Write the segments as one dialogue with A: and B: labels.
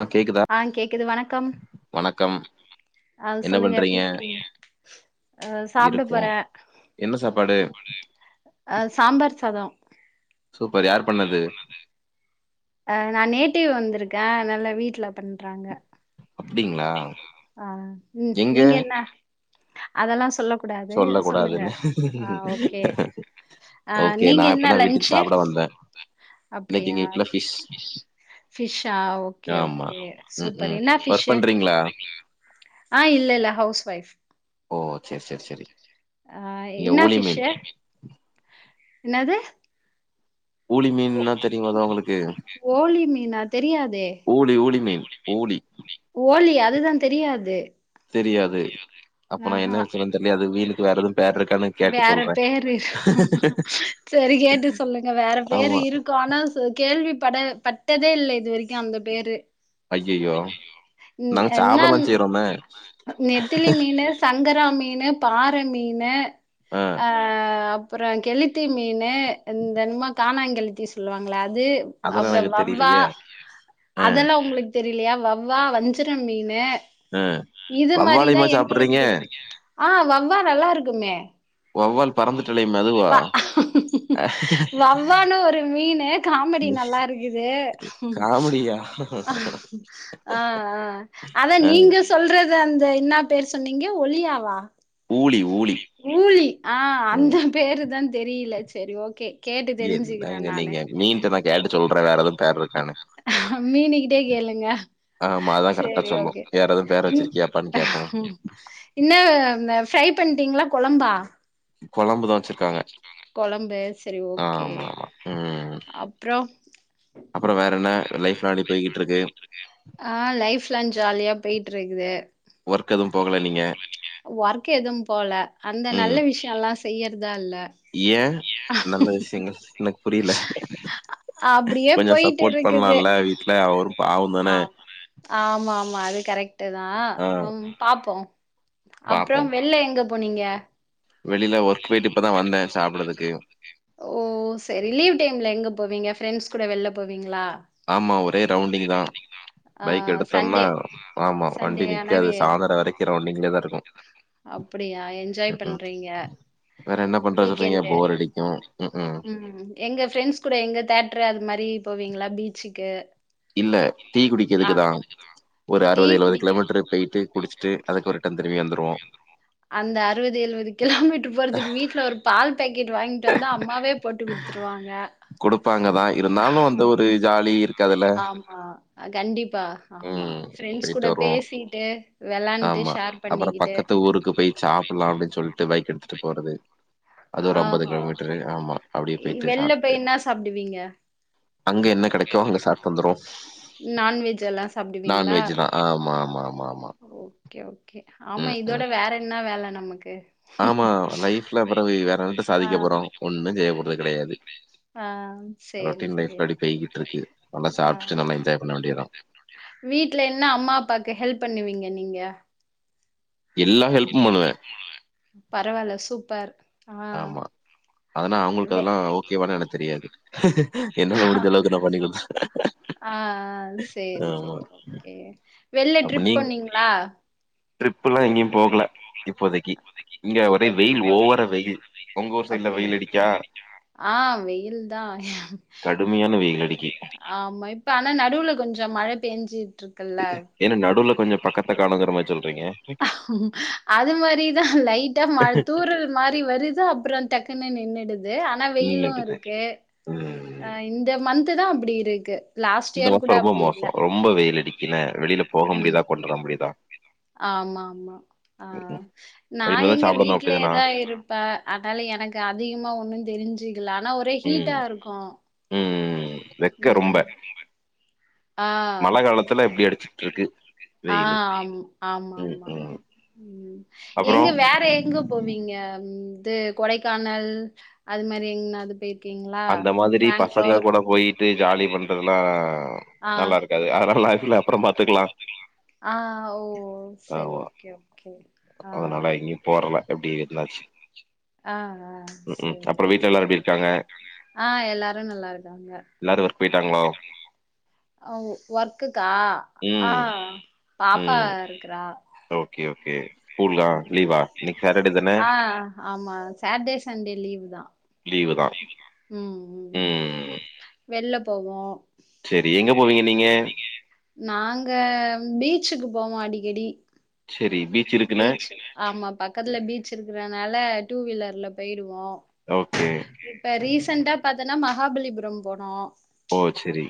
A: ஆ கேக்குதா
B: ஆ கேக்குது வணக்கம்
A: வணக்கம்
B: அது
A: என்ன
B: சொல்லுங்க எப்டி
A: பண்றீங்க
B: இருக் ஆ சாப்ட
A: இருக்கோ
B: போறே
A: என்ன சாப்பாடு
B: சாம்பார் சாதோ
A: சூப்பர் யார் பண்ணது
B: ஆ நா நேட்டிவ் வந்திருக்கே அதுனால வீட்டுல பண்றாங்க
A: அப்டிங்களா
B: ஆ ம்
A: எங்க
B: நீங்க என்ன அதெல்லா சொல்ல கூடாது
A: சொல்ல
B: சொல்லுங்க
A: கூடாதுன்னு
B: ஆ ஓகே ஆ
A: ஓகே
B: நீங்க
A: நா
B: என்ன
A: இப்பதா வீட்டுக்கு
B: லன்ச்சு
A: சாப்ட வந்தே இன்னைக்கு
B: அப்டியா
A: எங்க வீட்ல ஃபிஷ்
B: ஃபிஷ்ஷா ஓகே
A: ஆமா
B: ஓகே
A: ம்
B: சூப்பர்
A: ம்
B: என்ன
A: ஒர்க்
B: ஃபிஷ்ஷு
A: பண்றீங்களா
B: ஆ இல்ல இல்ல ஹவுஸ் ஒய்ஃப்
A: ஓ சேரி சேரி சேரி
B: ஆ இன்னா ஃபிஷ்ஷு என்னது
A: ஊழி மீன்னா தெரிமா கா உங்களுக்கு
B: ஓழி மீனா தெரியாதே
A: ஊழி ஊழி மீன் ஊழி
B: ஓழி அதுதா தெரியாது
A: தெரியாது அப்ப நா என்ன
B: ஆஹா
A: சொல்றதுன்னு தெரியலையே அது மீனுக்கு வேற எதுவு பேர் இருக்கான்னு கேட்டு
B: வேற
A: சொல்றே
B: பேரரு சரி கேட்டு சொல்லுங்க வேற பேரு
A: ஆமா
B: இரு க்கு ஆனா சு கேள்வி பட பட்டதே இல்ல இது வரைக்கு அந்த பேரு
A: ஐய்யய்யோ
B: அய்யயோ ம்
A: நாங்க
B: என்ன
A: சாப்டலா செய்றோமே
B: நெத்திலி மீனு சங்கரா மீனு பாறை மீனு ஆ அப்புற கெளுத்தி மீனு இந்த என்னமோ கானாங் கெளுத்தி சொல்லுவாங்களா அது
A: அதெல்லா
B: அப்புற
A: எனக்கு
B: வவ்வா
A: தெரியலையே ஆ
B: அதெல்லா உங்களுக் தெரியலையா வவ்வா வஞ்சிர மீனு
A: ஆ
B: இது மாரிதா
A: வவ்வாலையுமா
B: எங்களுக்கு
A: சாப்பிடுறீங்க
B: தெரி ஆ வவ்வா நல்லா இருக்குமே
A: வவ்வால் பறந்துட்டலையுமே அதுவா
B: வ வவ்வானு ஒரு மீனு காமெடி நல்லா இருக்குது
A: காமெடியா
B: ஆ ஆ அத
A: ஆ
B: நீங்க சொல்றது அந்த என்ன பேர் சொன்னீங்க ஒழியாவா
A: ஊழி ஊழி
B: ஊழி ஆ அந்த பேரு தா தெரியல சரி ஓகே கேட்டு தெரிஞ்சுக்குறே
A: என்னங்க
B: நானு
A: நீங்க மீன்ட்ட நா கேட்டு சொல்றே வேற எதோ பேர் இருக்கானு
B: மீனு கிட்டயே கேளுங்கே
A: ஆமா அதா கரெக்டா
B: சேரி ஓ
A: சொல்லு
B: கே
A: வேற எதுவு பேர் வச்சிருக்கியாப்பான்னு கேட்போ
B: இன்னா அந்த ஃப்ரை பண்ணிட்டீங்களா கொழம்பா
A: கொழம்புதா வச்சிருக்காங்க
B: கொழம்பு சரி ஓ கே
A: ஆமா ஆமா ம்
B: அப்புறோ
A: அப்புறோ வேற என்ன லைஃப்லா எப்டி போயிகிட்டு இருக்கு
B: ஆ லைஃப் லா ஜாலியா போயிட்டு இருக்குது
A: ஒர்க் எதுவு போகல நீங்க
B: ஒர்க் எதுவு போகல அந்த நல்ல
A: ம்
B: விஷ் எல்லா செய்யறதா இல்ல
A: ஏ நல்ல விஷயங்கள் எனக்கு புரில
B: அப்டியே
A: கொஞ்சோ
B: போயிட்டு
A: சப்போர்ட் பண்லால வீட்ல அவரு பாவந்தான
B: ஆம் ஆமா ஆமா அது கரெக்ட்டு தா
A: ஆ
B: ம் பாப்போ அப்பறம் வெள்ல எங்க போனீங்க
A: வெளில ஒர்க் போயிட்டு இப்பதா வந்தே சாப்பிடறதுக்கு
B: ஓ சேரி லீவ் டைம்லே எங்க போவீங்க ஃப்ரெண்ட்ஸ் கூட வெள்ல போவீங்களா
A: ஆமா ஒரே ரவுண்டிங் தா
B: ஆ
A: பைக் எடுத்தோம்னா
B: சண்டே
A: ஆமா வண்டி
B: சண்டே ஆனா
A: நிக்காது
B: வே
A: சாந்தர வரைக்கு ரவுண்டிங்லே தா இருக்கு
B: அப்புடியா என்ஜாய் பண்றீங்க
A: வேறே என்ன பண்ணர சொல்றீங்கே
B: வீக்கெண்டு
A: போர் அடிக்கு ம்ஹுக்கு
B: ம் எங்க ஃப்ரெண்ட்ஸ் கூட எங்கே தேட்ரு அதுமாரி போவீங்களா பீச்சுக்கு
A: இல்ல டீ
B: ஆ
A: குடிக்கதுக்குதா ஒரு
B: டீ
A: அறுவது எழுவது
B: குடிக்க
A: கிலோமீட்டரு பெய்ட்டு குடிச்சுட்டு அதுக்கு ஒருடன் திரும்பி வந்துருவோ
B: அந்த அறுவது எழுவது கிலோமீட்டர் போறதுக்கு வீட்ல ஒரு பால் பேக்கெட் வாங்கிட்டு வந்து அம்மாவே போட்டு குடுத்துருவாங்க
A: குடுப்பாங்கதா இருந்தாலு அந்த ஒரு ஜாலி இருக்குதுல்ல
B: ஆம்மா கண்டிப்பா ஆமா.
A: ம்
B: ஃப்ரெண்ட்ஸ்
A: பெயிட்டு
B: கூட
A: வருவோ
B: பேசிட்டு, வெளாண்ட்டு,
A: ஆம்மா
B: ஷேர்
A: அப்பறோ
B: பண்ணிக்கிட்டு.
A: பக்கத்து ஊருக்கு போயி சாப் புல்லா அப்பிடின் சொல்லிட்டு பைக் எடுத்துட்டு போறது அது ஒரு அம்பது
B: ஆஹா!
A: கிலோமீட்ரு ஆம்மா அப்டி போய்ட்டு
B: வெளில
A: சாப்ட்டுட்டு
B: போய் என்ன சாப்டுவீங்க?
A: அங்கே என்ன கெடைக்கோ அங்க சாப் கந்துரு
B: நான்வெஜ் எல்லாம்
A: நான்வெஜ்ஜுதா ஆமமா ஆம்மா ஆம்மா ஆம்மா
B: ஓக்கே ஓக்கே ஆம்மா இதோட வேற என்ன வேலே நம்மக்கு
A: ஆம்மா லைஃப்ல பெறவு வேற என்னத்த சாதிக்க போறோ
B: ஆ.
A: ஒண்ணு செய்ய போறது கிடையாது
B: ஆ சரி,
A: ரொட்டின்
B: சரி.
A: லைஃப்க்கு அப்பிடி போய்கிட்டுருக்கு நல்லா
B: ஆ.
A: சாப்ட்டுட்டு நல்லா என்ஜாய் பண்ண வேண்டிதா
B: வீட்ல என்னஅம்மா அப்பாக்கு ஹெல்ப் பண்ணுவீங்க நீங்க
A: எல்லா ஹெல்ப்பு பண்ணுவே
B: பரவால்ல சூப்பர் ஆ
A: ஆம்மா அதனா அவங்களுக்கு
B: வெ
A: அதெல்லா ஓக்கேவான்னு எனக்கு தெரியாது என்னால முடிஞ்சளவுக்கு நா பண்ணி குடுத்துருவ
B: ஆ சேரி சேரி ஓக்கே வெள்ள ட்ரிப் போணீங்களா
A: ட்ரிப்புலா எங்கியும் ஒரே
B: இப்போதிக்கி
A: வெயில்
B: போல
A: ஓவரா வெயில் உங்கஊர் சைட்ல வெயில்
B: அப்படியா?
A: அடிக்கா
B: ஆ வெயில்தா
A: கடுமையான வெயில் அடிக்கி.
B: ஆம்மா இப்ப ஆன்னா நடுவுல கொஞ்ச மழ பேஞ்சிட்ருக்
A: என்ன நடுல கொஞ்சொ பக்கத்த காணுங்கிற மாரி சொல்றீங்கே
B: அது மாரிதா லைட்டா மழ தூரல் மாறி வருது அப்புறோ டக்குன்னு நின்னுடுது ஆனா
A: ம்
B: வெயிலும்
A: எட்டுதே
B: இருக்கு
A: உம்
B: அ இந்த மந்த்த்துதா அப்டி இருக்கு லாஸ்ட்
A: இந்த
B: யெர் கூட
A: வருஷம் ரொம்ப
B: அப்டி இல்ல
A: மோசம். ரொம்ப வெயில் அடிக்கன வெளில போக முடியுதா கொண்டுர முடியுதா
B: ஆம்மா ஆம்மா ஆ நா
A: அவ இனிமேதா
B: எங்க
A: சாப்டணு அப்டிதானா
B: வீட்லேதாஇருப் அ அனாலே எனக்கு அதிகமா ஒண்ணு தெரிஞ்சுக்கல ஆனா ஒரே
A: ம்
B: ஹீட்டாருக்கு
A: ம் வெக்க ரொம்ப மழ
B: ஆ.
A: காலத்துல எப்டி அடிச்சிட்ருக்கு
B: ஆ
A: வெயிலு
B: ஆம் ஆம்மா
A: ம்
B: ஆம்மா
A: ம்
B: ம்
A: அப்றோ
B: எங்க வேற எங்குப் போவீங்க அந்து கொடைக்கானல் அது மெரி எங்னாது போய்ற்க்கீங்ளா பேங்ளூர்
A: இப்பே ஜாலி பண்றதுல்லா
B: ஆ
A: நல்லாருக்காது அதெல்லா லைஃப்ல அப்பறோ பாத்துக்கலா
B: ஆ ஓ செரி
A: ஆமா
B: ஓக்கே ஓக்கே ஆ
A: அதனால எங்கயு போறல எப்டி இருந்தாச்சு
B: ஆ ஆ
A: ம் ம்
B: சரி.
A: அப்றோ வீட்லெல்லா எப்டி இருக்காங்க
B: ஆ எல்லாரு நல்லாருக்காங்க
A: எல்லாரு ஒர்க் போயிட்டாங்களோ
B: ஒ ஒர்க்குக்கா ஆ
A: ம்
B: பாப்பா
A: ம்
B: ருக்குறா
A: ஓகே ஓகே ஸ்கூலா
B: ம்
A: லீவா இன்னைக்கு சாட்டர்டே தான
B: ஆ ஆமா சேட்டே சண்டே லீவு தா
A: லீவு தா
B: ம் ம் வெள்ல போகு
A: செரி எங்க போவீங்க நீங்க
B: நாங்க பீச்சுக்கு போவோ அடிக்கடி
A: செரி இருக்குன்ன
B: பீச் ஆமா பக்கத்துல பீச் இருக்குறனால டூ வீலர்ல போயிடுவோ
A: ஓகே
B: இப்ப ரீசெண்டா பாத்தன்னா மகாபலிபுரம் போனோ
A: ஓ சரி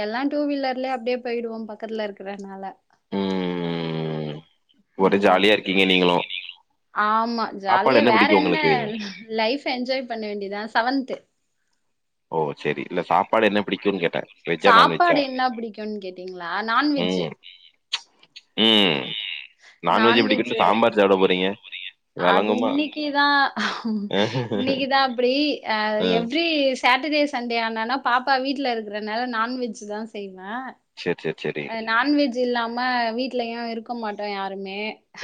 B: எல்லா டூ வீலர்லலே அப்டே போயிடுவோம் பக்கத்துல இருக்குறனால
A: ம். ஒரே
B: ம்
A: ஜாலியா இருக்கீங்க நீங்களும்.
B: ஆமா
A: சாப்பாடு
B: ஜாலியா வேற
A: பிடிக்கும்
B: என்ன
A: உங்களுக்கு?
B: லைஃப் ஃப் என்ஜாய் பண்ண வேண்டிதா செவன்த்து
A: ஓ செரி இல்ல சாப்பாடு என்ன பிடிக்கும்ன்னு கேட்ட வெஜ்ஜா நான் வெஜ்ஜா
B: சாப்பாடு என்ன பிடிக்கும்னு கேட்டீங்களா? நான்வெஜ்ஜு.
A: ம் ம்
B: நான்வெஜ்
A: நான் வெஜ்
B: நான்வெஜ்ஜு
A: புடிக்குன்ட்டு சாம்பார் சாப்ட போறீங்க
B: அது
A: விளங்குமா?
B: இன்னிக்கிதா இன்னிக்கிதா அப்புடி ஆ
A: அ.
B: எவ்ரி ஸ் சேட்டடே சண்டே ஆனோன்னா பாப்பா வீட்ல இருக்குறனால நான் வெஜ் தா செய்வ
A: சேர் சேர் சேரி
B: நான் வெஜ் இல்லாம வீட்லயும் இருக்க மாட்டோ யாருமே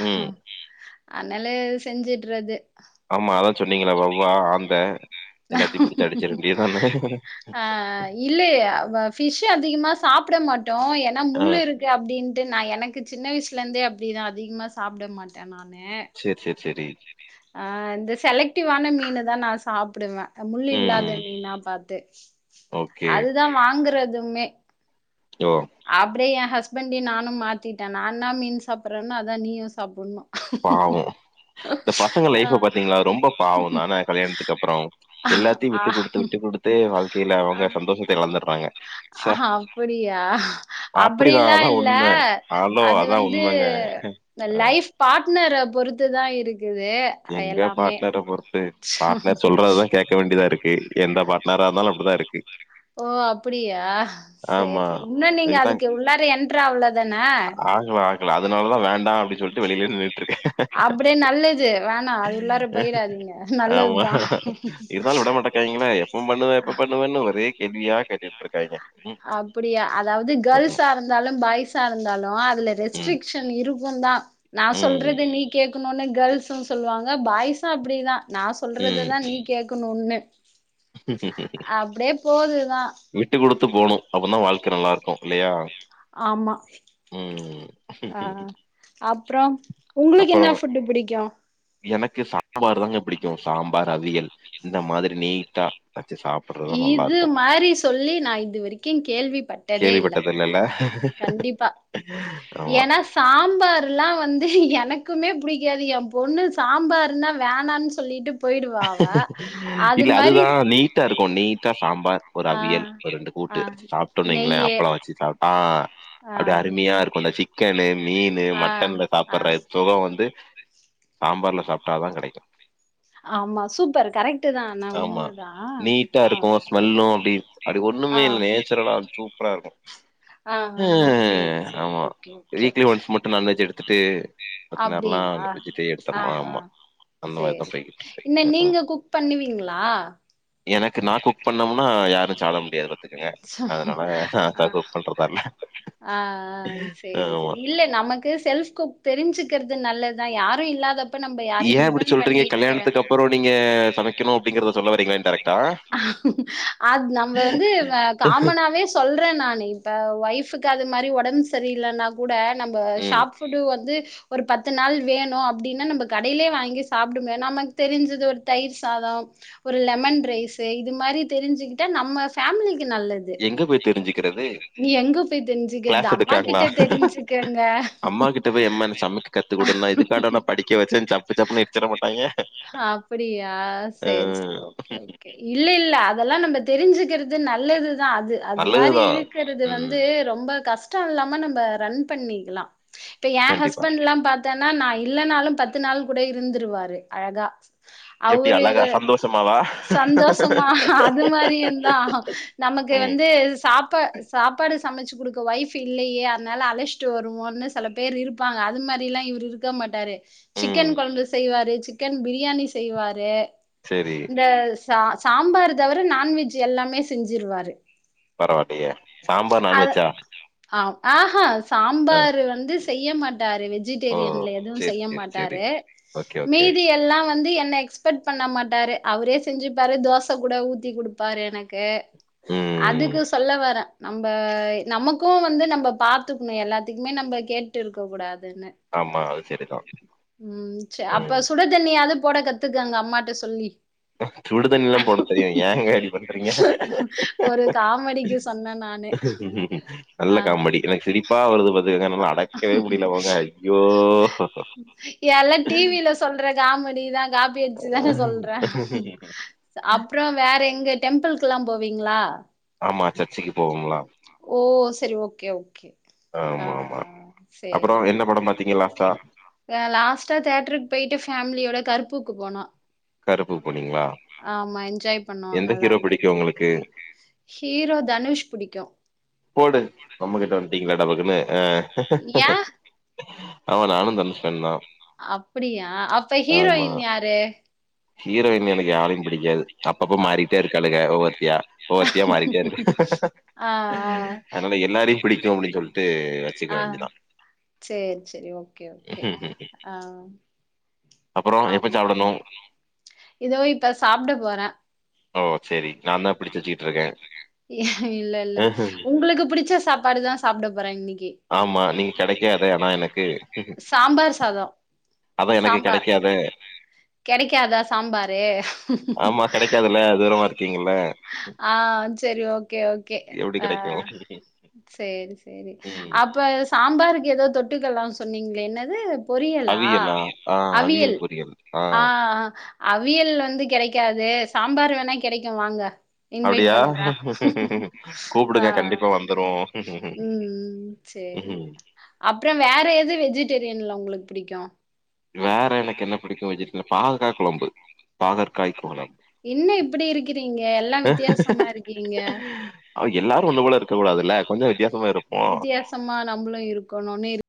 A: ம்.
B: அதனால செஞ்சுட்றது
A: ஆமா அதா சொன்னீங்களா வவ்வா ஆந்த எல்லாத்தையு புடிச்சு அடிச்சிற வேண்டிதானே
B: ஆ இல்லயே அ வ ஃபிஷ் அதிகமா சாப்புட மாட்டோ ஏன்னா
A: ஆ.
B: முள் இருக் இப்டி அப்டின்ட்டு நா எனக்கு சின்ன வயசுலந்தே அப்டிதா அதிகமா ஸ் சாப்ட மாட்டே நானு
A: சரி, சரி, சரி.
B: ஆ இந்த செலக்டிவான மீனு தா நா சாப்புடுவே அ முள்
A: ம்.
B: இல்லாதுன் மீனா பாத்து
A: ஓகே.
B: அதுதா வாங்குறதுமே
A: ஓ
B: அப்புடே என் ஹஸ்பண்டியு நானு மாத்திட்டே நான் நா மீன் சாப்புறேன்னா அதா நீயும் சாப்புட்ணு
A: பாவோ இந்த பசங்க லைஃப்ப பாத்தீங்களா ரொம்ப பாவோ தானே கல்யாணத்துக்கு அப்புறோ எல்லாத்தையு
B: ஆ ஆ
A: விட்டுக்குடுத்து விட்டு குடுத் தே வாழ்க்கையில அவங்க சந்தோஷத்த எழந்துட்றாங்க சே
B: அப்புடிலா இல்ல
A: ஹலோ
B: அது
A: அதான்
B: வந்து
A: உண்மங்க.
B: ந்த
A: அ
B: லைஃப் பாட்னர பொறுத்து தா இருக்குது
A: எங்க
B: எல்லாமே
A: பாட்னர பொறுத்து பாட்னர் சொல்றதுதான் கேக் க்க வேண்டியதா இருக்கு எந்த பாட்னரா இருந்தாலும் அப்புடிதான் இருக்கு
B: ஓ அப்புடியா சேரி
A: ஆமா
B: சேரி உன்னோ நீங்க அதுக்கு உள்ளார என்ட்ரு அவுளதானே
A: ஆகுலா ஆய் இல்ல அதுனால தான் வேண்டா அப்புடி சொல்ட்டு வெளிலே நிர்
B: அப்புடே நல்லது வேணா அது உள்ளார போயிடாதீங்க
A: ஆமா
B: நல்லதுதா
A: இருந்தாலு விட மாட்டக்க [unintelligible] இப்போம் பண்ணுவ எப்ப பண்ணுவன்னு ஒரே கேள்வியா கேட்டுட்ருக்காயிங்க
B: அப்புடியா அதாவது கேர்ள்ஸா இருந்தாலும் பாய்ஸா இருந்தாலு அதுல
A: ம்ஹ்ம்.
B: ரெஸ்ட்ரிக்ஷ் ஷன் இருக்கும் தா நா
A: ம்
B: சொல்றது நீ கேக்குணுன்னு கேர்ள்ஸ்ங் சொல்லுவாங்க பாய்ஸும் அப்புடிதா நான்
A: ம்
B: சொல்றதுதான் நீ கேக்குணுன்னு
A: ம்.
B: அப்புடே போதுதா
A: விட்டு குடுத்து போனும் அப்ப தா வாழ்க்க நல்லாருக்கு இல்லயா
B: ஆமா
A: ம்
B: அப்புறோ உங்ளுக்கு
A: அப்பறோ
B: என்னா ஃபுட்டு புடிக்கு
A: எனக்கு சாம்பார் தாங்க பிடிக்கு சாம்பார் அவியல் இந்த மாதிரி நீட்டா வச்சு சாப்
B: இது மாரி சொல்லி நா இது வரைக்கு கேள்விப்பட்டதே இல்ல
A: கேள்விப்பட்டது இல்லல்ல
B: கண்டிப்பா
A: ஆமா
B: ஏன்னா சாம்பார்லா வந்து எனக்குமே பிடிக்காது ஏ பொண்ணு சாம்பாருனா வேணான்னு சொல்லிட்டு போயிடுவா அவ அது மாரி
A: ட்டா இருக்கு நீட்டா சாம்பார் ஒரு
B: ஆ
A: அவியல் ஒரு ரெண்டு
B: ஆ
A: கூட்டு சாப்ட்டோனீங்ளே
B: நெய்யு
A: அப்பளோ வச்சு சாப்ட்டா ஆஹ்
B: ஆ
A: அப்டியே அருமையா இருக்கு அந்த சிக் சிக்கனு மீனு
B: ஆ
A: மட்டன்ல
B: ஆ
A: சாப்புட்ற சுகோ வந்து சாம்பார்ல சாப்ட்டா தா கிடைக்கு
B: ஆமா சூப்பர் கரெக்ட் ட்டு தா ஆனா
A: ஆமா
B: உண்மதா
A: நீட்டா
B: ஆ
A: இருக்கு
B: ஆ
A: சுரலா சூப்பரா இருக்கு
B: ஆ ஆ சேரி
A: ம்
B: சேரி
A: ஆமா
B: ஓகே ஓகே
A: வீக்லி ஒன்ஸ் மட்டு நான்வெஜ் எடுத்துட்டு பாத்திங்க அப்புனா
B: அப்டியா
A: விஜிட்டே
B: ஆ
A: எடுத்தமா ஆமா அந்த மாரிதா போய்க்கிட்டுருக்கு
B: மே நீங்க குக் பண்ணுவீங்ளா
A: எனக்கு நா குக் பண்ணோம்னா யாரு சாப்ட முடியாது த்துக்கங்க அதனால நா
B: ஆ
A: தா குக் பண்றதால
B: ஆ ஆ சரி
A: ஆமா
B: சரி. இல்ல நமக்கு செல்ஃப் குக் தெரிஞ்சுக்கிறது நல்லதுதா யாரு இல்லாதப்
A: ஏ அப்டி சொல்றீங்க கல்யாணத்துக்கு அப்புறோ நீங்க சமைக்கணு அப்டிங்றத சொல்ல வரீங்ளே கரெக்டா
B: அத் நம்ம வந்து இவ்ங்க காமனாவே சொல்றே நானு இப்ப ஒய்ஃபுக்கு அது மாரி உடம்பு சரில்லன்னா கூட நம்ம
A: ம்
B: ஷாப் ஃபுட்டு வந்து ஒரு பத்து நாள் வேணு அப்டின்னா நம்ம கடையிலயே வாங்கி சாப்டோமே நமக்கு தெரிஞ்சது ஒரு தயிர் சாதோ ஒரு லெமன் ரைஸு இது மாரி தெரிஞ்சுகிட்டா நம்ம ஃபேமிலிக்கு நல்லது
A: எங்க போய் தெரிஞ்சுக்கிறது
B: நீ எங்க போய் தெரிஞ்சுக்ரது
A: கிளாஸ்
B: அம்மா
A: எடுக்காங்களா
B: கிட்ட தெரிஞ்சுக்கங்க
A: அம்மா கிட்ட போய் அம்மா சமைக்க கத்துக்குடுனா இதுக்காடா நா படிக்க வச்சேன்னு சப்பு சப்புன்னு வச்சிட மாட்டாய்ங்க
B: ஆஹ் அப்டியா
A: ஆஹ்
B: இல்ல இல்ல அதெல்லா நம்ம தெரிஞ்சுக்கிறது நல்லது தா அது அது மாதிரி
A: நல்லதுதா
B: இருக்கிறது வந்து
A: ம்
B: ரொம்ப கஷ் டோ இல்லாம நம்ம ரன் பண்ணிக்லா இப்ப ஏ
A: கண்டிப்பா
B: ஹஸ்பண்ட்ல்லா பாத் தன்னா நா இல்லனாலு பத்து நாள் கூட இருந்துருவாரு அழகா
A: எப்டி
B: அவரு
A: அழகா சந்தோஷமாவா
B: சந்தோஷமா அது மாரியுந்தா நமக்கு
A: ம்
B: வந்து சாப்பா சாப்பாடு சமச்சு கொடுக்க ஒய்ஃப் இல்லயே அதனால அழச் ட்டு வருவோனு செல பேரு இருப்பாங்க அது மாரிலா இவரு இருக்க மாட்டாரு
A: ம்
B: சிக்கன் கொழம்பு செய்வாரு சிக்கன் பிரியாணி செய்வாரு
A: சேரி
B: ச சாம்பாரு தவர நான்வெஜ் எல்லாமே செஞ்சிருவாரு
A: பரவால்லயே சாம்பார்
B: அது
A: நான்வெஜ்ஜா
B: ஆ ஆஹா
A: அ
B: சாம்பாரு வந்து செய்ய மாட் டாரு
A: ஓ
B: வெஜிடேரியன்ல எதும்
A: செரி
B: செய்ய
A: செரி செரி
B: மாட்டாரு
A: ஓகே ஓகே
B: மீதி எல்லா வந்து என்ன எக்ஸ் பெக்ட் பண்ண மாட்டாரு அவரே செஞ்சுப்பாரு தோச கூட ஊத்தி குடுப்பாரு எனக்கு
A: ம்
B: அதுக்கு சொல்ல வரே நம்ப நமக்கு வந்து நம்ப பாத்துக்ணு எல்லாத்துக்குமே நம்ம கேட் ட்டு இருக்க கூடாதுன்னு
A: ஆமா அது செரிதா
B: ம் செ
A: ம்
B: அப்ப சுட தண்ணியாது போட கத்துக்கங்க அம்மாட்ட சொல்லி
A: சுடுதண்ணிலா போட தெரியு ஏங்க இப்டி பண்றீங்க
B: ஒரு காமெடிக்கு சொன்னே நானு
A: நல்ல
B: ஆ
A: காமெடி எனக்கு சிரிப்பா வருது பாத்துக்கங்க என்னால அடக் கவே முடில்ல போங்க ஐயோ
B: டி வி ல சொல்றே காமெடி தா காப்பியச்சு தாங்க சொல்றே அப்றோ வேற எங்க டெம்பிள்க்லா போவீங்ளா
A: ஆமா சர்ச்சிக்கி போவம்ல
B: ஓ செரி ஓகே ஓகே ஆ
A: ஆமா ஆமா அப்பறோ என்ன படம் பாத்தீங்க லாஸ்ட்டா
B: எ லாஸ்டா தேட்ருக் ஃபேமிலியோட கருப்புக்கு போனோ
A: கருப்புக் போனீங்ளா
B: ஆமா என்ஜாய் பண்ணோ நல்லா இருந்து
A: உங்களுக்கு
B: ஹீரோ தனுஷ் புடிக்கு
A: போடு நம்மகிட்ட வந்ட்டீங்ளா டபக்குன்னு அ
B: ஏ
A: ஆமா நானு தனுஷ் ஃபேன் தா
B: அப்படியா அப்ப
A: ஆமா
B: ஹீரோயின் யாரு
A: ஹீரோயின் எனக்கு யாரையு பிடிக்காது அப்பப்ப
B: அப்
A: மாறிட்டே இருக்காளுக ஒவ்வருத்தியா ஒவ்வொத்தியா மாறிட்டே இருக்
B: ஆ ஆ
A: அதனால எல்லாரையு பிடிக்குன்னு சொல்ட்டு வச்சுக்க
B: ஆ
A: வேண்டியதா
B: சேர் சேரி ஓகே ஓகே ஆ
A: அப்புறோ எப்ப
B: ஆமா
A: சாப்டணு
B: இதோ இப்ப சாப்ட போற
A: ஓ சரி நாந்தா பிடிச்சி வச்சிட்டுருக்கே
B: எ இல்ல இல்ல ஒங்ளுக்கு புடிச்ச சாப்பாடு தா சாப்ட போற இன்னக்கி
A: ஆமா நீங்க கெடைக்காதே ஆனா எனக்கு
B: சாம்பார் சாதோ
A: அதா எனக்கு
B: சாம்பார்
A: கெடைக்காத
B: கெடைக்காதா சாம்பாரு
A: ஆமா கெடைக்காதுல்ல தூரமா இருக்கீங்கல்ல
B: ஆ சரி ஓகே ஓகே
A: எப்டி
B: ஆ
A: கெடைக்கு
B: செரி செரி
A: ம்
B: அப்ப சாம்பாருக்கு எதோ தொட்டுக்கல்லா சொன்னீங்ளே என்னது பொியலா
A: அவியலா ஆ
B: அவியல்
A: பொரியல்
B: ஆ அவியல் வந்து கெடைக்காது சாம்பார் வேனா கெடைக்கு வாங்க இன்வைட்
A: அப்டியா
B: பண்ற ஆ
A: கூப்டுங்க கண்டிப்பா வந்துருவோ
B: ம் சேரி
A: ம்
B: அப்பறம் வேற எது வெஜிடேரியன்ல ஒங்ளுக் புடிக்கு
A: வேற எனக்கு என்ன புடிக்கு வெஜிடேல பாகக்கா கொழம்பு பாகற்காய் கொழம்
B: என்ன இப்டி இருக்கிறீங்க எல்லா வித்தியாசமா இருக்கீங்க
A: அ எல்லாரு ஒன்னு போல இருக்க கூடாதுல்ல கொஞ்சோ வித்தியாசமா இருப்போ
B: சமா நம்ளு இருக்கணுன்னு இருக்